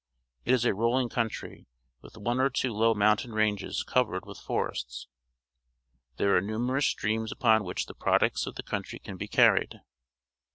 It is a rolling comitry, with one or two low mountain ranges covered with forests. There are numerous streams upon which the products of the country can be carried.